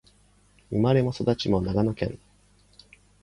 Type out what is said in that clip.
生まれも育ちも長野県